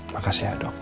makasih ya dok